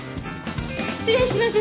失礼します。